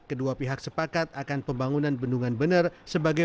kedua pihak sepakat akan pembangunan bendungan bener sebagai